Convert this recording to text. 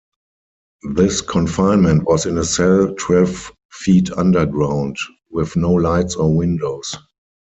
This confinement was in a cell twelve feet underground, with no lights or windows.